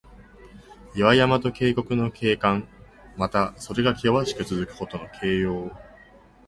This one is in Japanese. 岩山と渓谷の景観。また、それがけわしくつづくことの形容。